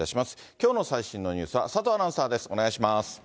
きょうの最新のニュースは佐藤アナウンサーです。